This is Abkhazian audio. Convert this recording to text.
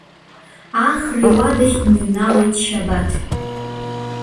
Ахра иуадахь дныҩналеит Шьабаҭ.